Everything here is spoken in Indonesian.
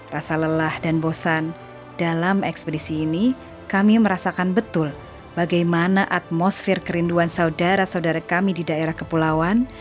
rasa lelah dan bosan dalam ekspedisi ini kami merasakan betul bagaimana atmosfer kerinduan saudara saudara kami di daerah kepulauan